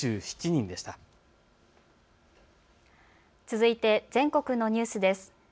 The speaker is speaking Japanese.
続いて全国のニュースです。